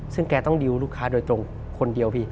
ซึ่งแกต้องดิวลูกค้าโดยตรงคนเดียวพี่